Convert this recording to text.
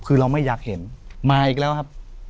คือเราไม่อยากเห็นมาอีกแล้วครับ